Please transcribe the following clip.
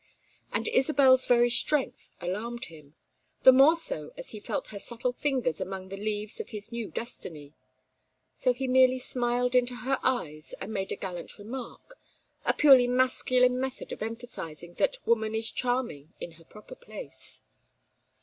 And Isabel's very strength alarmed him, the more so as he felt her subtle fingers among the leaves of his new destiny. So he merely smiled into her eyes and made a gallant remark, a purely masculine method of emphasizing that woman is charming in her proper place.